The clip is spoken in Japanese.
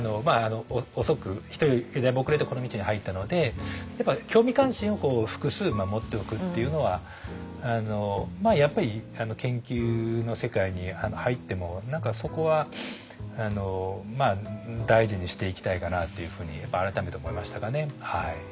遅く人よりだいぶ遅れてこの道に入ったのでやっぱ興味関心を複数持っておくっていうのはやっぱり研究の世界に入っても何かそこは大事にしていきたいかなっていうふうにやっぱ改めて思いましたかね。